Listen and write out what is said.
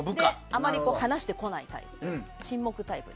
あまり話してこないタイプ。